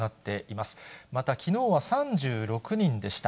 また、きのうは３６人でした。